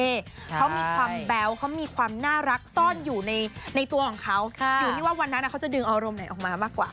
เขามีความแบ๊วเขามีความน่ารักซ่อนอยู่ในตัวของเขาอยู่ที่ว่าวันนั้นเขาจะดึงอารมณ์ไหนออกมามากกว่า